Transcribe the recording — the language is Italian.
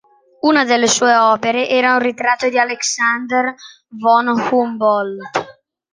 Una delle sue opere era un ritratto di Alexander von Humboldt.